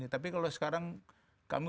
tapi kalau sekarang kami